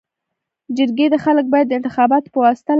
جرګي ته خلک باید د انتخاباتو پواسطه لار پيداکړي.